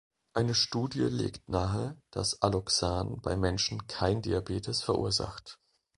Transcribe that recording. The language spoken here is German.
Eine Studie legt nahe, dass Alloxan bei Menschen kein Diabetes verursacht.